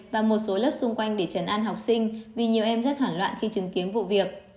và một số lớp xung quanh để chấn an học sinh vì nhiều em rất hoảng loạn khi chứng kiến vụ việc